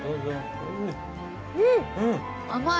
うん！